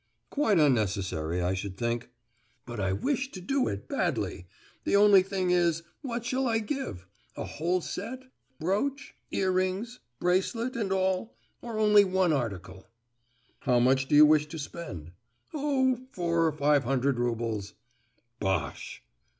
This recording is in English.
"Quite unnecessary, I should think." "But I wish to do it, badly. The only thing is, what shall I give?—a whole set, brooch, ear rings, bracelet, and all, or only one article?" "How much do you wish to spend?" "Oh, four or five hundred roubles." "Bosh!"